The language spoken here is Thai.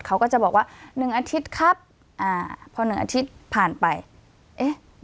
เขาก็จะบอกว่าหนึ่งอาทิตย์ครับอ่าพอหนึ่งอาทิตย์ผ่านไปเอ๊ะ